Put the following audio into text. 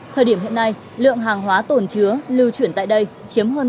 thời điểm hiện nay lượng hàng hóa tồn chứa lưu chuyển tại đây chiếm hơn tám mươi